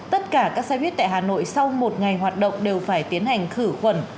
tất cả các xoay viết tại hà nội sau một ngày hoạt động đều phải tiến hành khử khuẩn